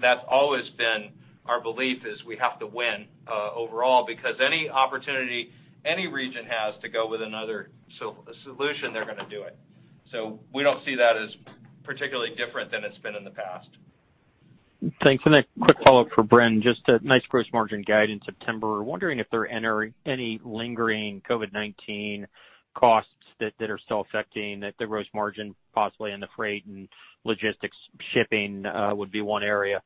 That's always been our belief, is we have to win, overall, because any opportunity any region has to go with another solution, they're going to do it. We don't see that as particularly different than it's been in the past. Thanks. A quick follow-up for Bren. Just a nice gross margin guidance in September. Wondering if there are any lingering COVID-19 costs that are still affecting the gross margin, possibly in the freight and logistics, shipping would be one area?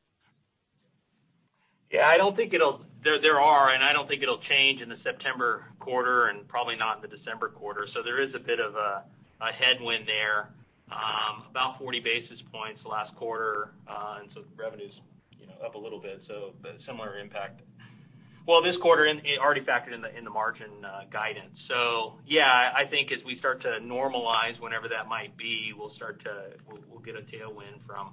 Yeah, there are, and I don't think it'll change in the September quarter and probably not in the December quarter. There is a bit of a headwind there. About 40 basis points last quarter, revenues up a little bit, similar impact. Well, this quarter, already factored in the margin guidance. Yeah, I think as we start to normalize, whenever that might be, we'll get a tailwind from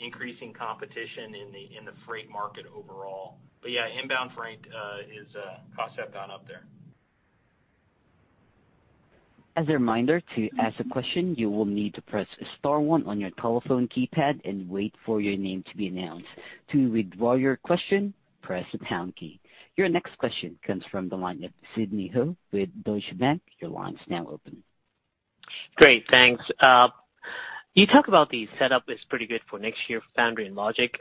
increasing competition in the freight market overall. Yeah, inbound freight costs have gone up there. As a reminder, to ask a question, you will need to press star one on your telephone keypad and wait for your name to be announced. To withdraw your question, press the pound key. Your next question comes from the line of Sidney Ho with Deutsche Bank. Your line's now open. Great. Thanks. You talk about the setup is pretty good for next year foundry and logic.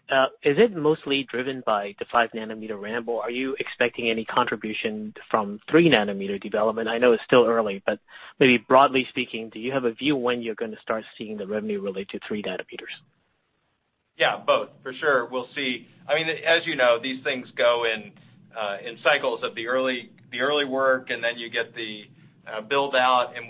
Is it mostly driven by the 5 nm ramp, or are you expecting any contribution from 3 nm development? I know it's still early, but maybe broadly speaking, do you have a view when you're going to start seeing the revenue related to 3 nm? Yeah, both. For sure. As you know, these things go in cycles of the early work, and then you get the build-out. As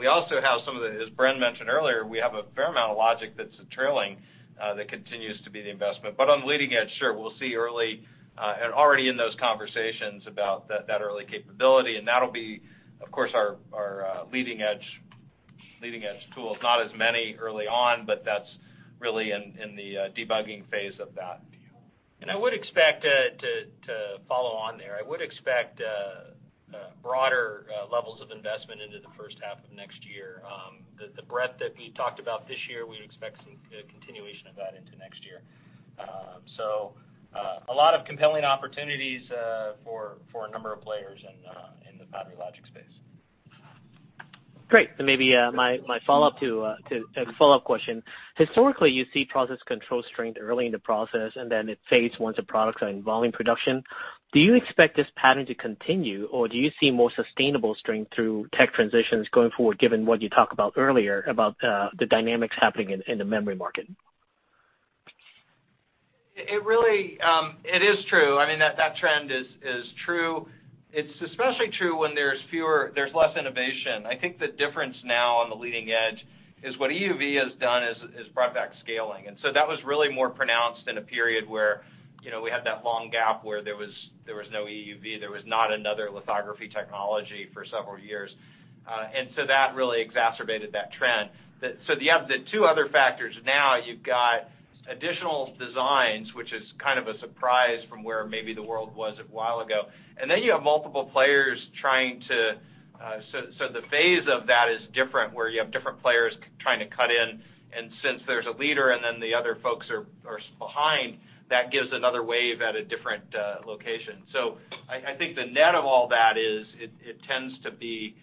Bren mentioned earlier, we have a fair amount of logic that's trailing that continues to be the investment. On the leading edge, sure, we'll see early, and already in those conversations about that early capability, and that'll be, of course, our leading edge tools. Not as many early on, but that's really in the debugging phase of that. I would expect to follow on there. I would expect broader levels of investment into the first half of next year. The breadth that we talked about this year, we would expect some continuation of that into next year. A lot of compelling opportunities for a number of players in the foundry and logic space. Great. Maybe my follow-up question. Historically, you see process control strength early in the process, and then it fades once the products are in volume production. Do you expect this pattern to continue, or do you see more sustainable strength through tech transitions going forward given what you talked about earlier about the dynamics happening in the memory market? It is true. That trend is true. It's especially true when there's less innovation. I think the difference now on the leading edge is what EUV has done is brought back scaling. That was really more pronounced in a period where we had that long gap where there was no EUV, there was not another lithography technology for several years. That really exacerbated that trend. The two other factors now, you've got additional designs, which is kind of a surprise from where maybe the world was a while ago. The phase of that is different, where you have different players trying to cut in, and since there's a leader and then the other folks are behind, that gives another wave at a different location. I think the net of all that is it tends to be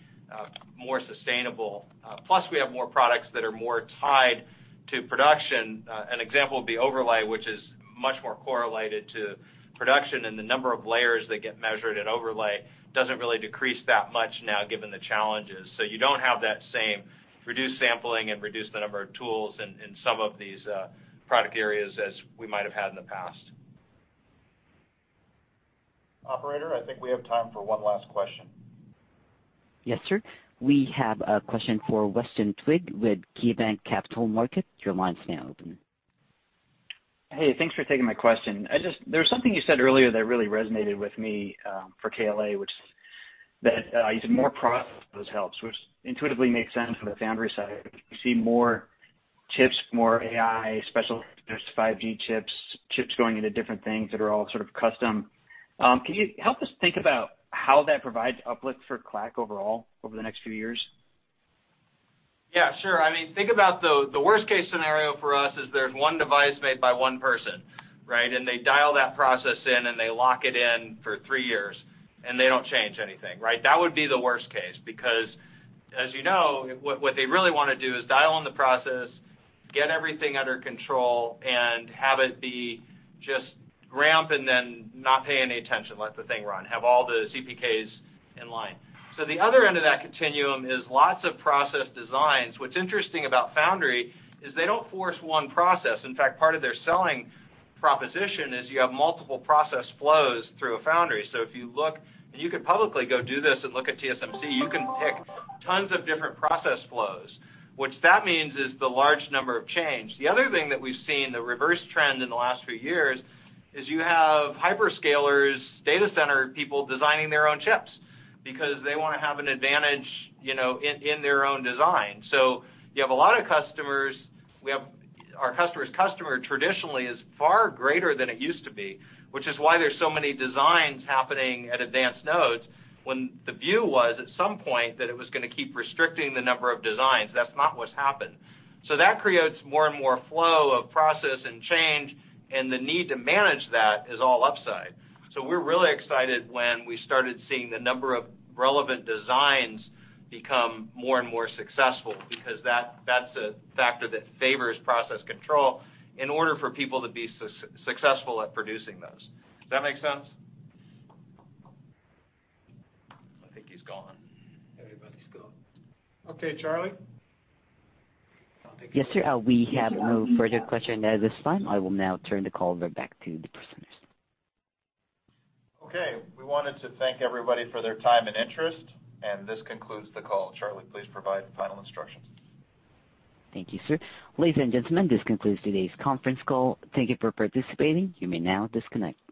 more sustainable. Plus, we have more products that are more tied to production. An example would be overlay, which is much more correlated to production, and the number of layers that get measured in overlay doesn't really decrease that much now given the challenges. You don't have that same reduced sampling and reduced number of tools in some of these product areas as we might have had in the past. Operator, I think we have time for one last question. Yes, sir. We have a question for Weston Twigg with KeyBanc Capital Markets. Your line's now open. Hey, thanks for taking my question. There was something you said earlier that really resonated with me for KLA, that using more helps, which intuitively makes sense from the foundry side. You see more chips, more AI, specialized 5G chips going into different things that are all sort of custom. Can you help us think about how that provides uplift for KLA overall over the next few years? Yeah, sure. Think about the worst-case scenario for us is there's one device made by one person, right? They dial that process in, and they lock it in for three years, and they don't change anything, right? That would be the worst case, because as you know, what they really want to do is dial in the process, get everything under control, and have it be just ramp and then not pay any attention, let the thing run, have all the Cpks in line. The other end of that continuum is lots of process designs. What's interesting about foundry is they don't force one process. In fact, part of their selling proposition is you have multiple process flows through a foundry. If you look, and you could publicly go do this and look at TSMC, you can pick tons of different process flows. What that means is the large number of change. The other thing that we've seen, the reverse trend in the last few years, is you have hyperscalers, data center people designing their own chips because they want to have an advantage in their own design. You have a lot of customers. Our customer's customer traditionally is far greater than it used to be, which is why there's so many designs happening at advanced nodes, when the view was at some point that it was going to keep restricting the number of designs. That's not what's happened. That creates more and more flow of process and change, and the need to manage that is all upside. We were really excited when we started seeing the number of relevant designs become more and more successful because that's a factor that favors process control in order for people to be successful at producing those. Does that make sense? I think he's gone. Everybody's gone. Okay. Charlie? Yes, sir. We have no further question at this time. I will now turn the call back to the presenters. Okay. We wanted to thank everybody for their time and interest, and this concludes the call. Charlie, please provide final instructions. Thank you, sir. Ladies and gentlemen, this concludes today's conference call. Thank you for participating. You may now disconnect.